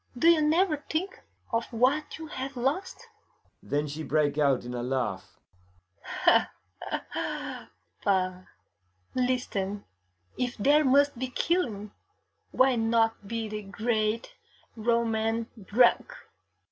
'Do you never think of what you have lost?' Then she break out in a laugh. 'Pah! Listen: if there must be killing, why not be the great Roman drunk!